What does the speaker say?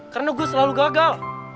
karena gue selalu gagal